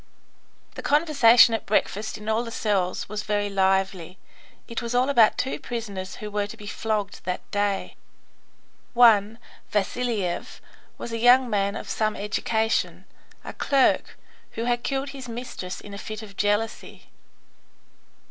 The conversation at breakfast in all the cells was very lively. It was all about two prisoners who were to be flogged that day. One, Vasiliev, was a young man of some education, a clerk, who had killed his mistress in a fit of jealousy.